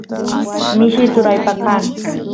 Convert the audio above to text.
mishi turaypa kan